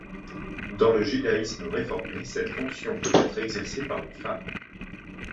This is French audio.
Dans le judaïsme réformé, cette fonction peut être exercée par une femme.